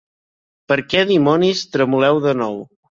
Per què, dimonis, tremoleu de nou.